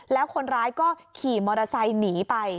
แล้วคนร้ายก็ขี่มอเตอร์ไซค์หนีไป